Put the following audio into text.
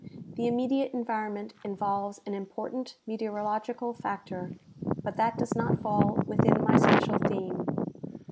The immediate environ ment involves an important meteorological factor, but that does not fall within my special theme.